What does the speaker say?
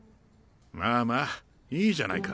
まあまあいいじゃないか。